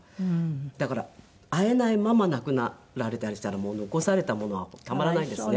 だから会えないまま亡くなられたりしたら残された者はたまらないですね。